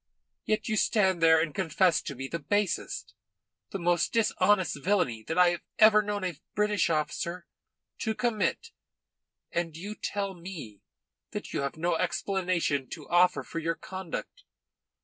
Yet you stand there and confess to me the basest, the most dishonest villainy that I have ever known a British officer to commit, and you tell me that you have no explanation to offer for your conduct.